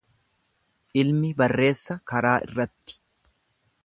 Ilmi barreessa karaa irratti.